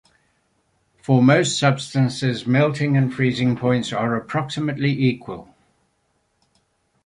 For most substances, melting and freezing points are approximately equal.